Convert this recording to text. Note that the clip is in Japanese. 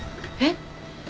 えっ？